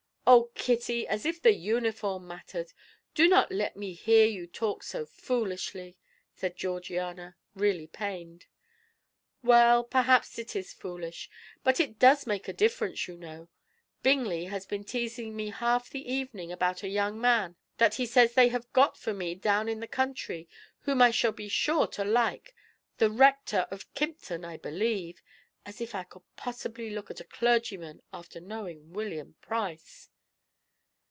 "Oh, Kitty, as if the uniform mattered! Do not let me hear you talk so foolishly," said Georgiana, really pained. "Well, perhaps it is foolish, but it does make a difference, you know. Bingley has been teasing me half the evening about a young man that he says they have got for me down in the country, whom I shall be sure to like, the Rector of Kympton, I believe. As if I could possibly look at a clergyman after knowing William Price."